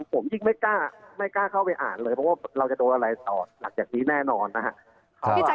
ผมยิ่งไม่กล้าเข้าไปอ่านเลยเพราะว่าเราจะโดนอะไรต่อหลังจากนี้แน่นอนนะครับ